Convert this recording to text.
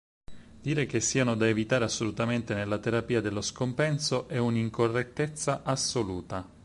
Dire che siano da evitare assolutamente nella terapia dello scompenso è un'incorrettezza assoluta.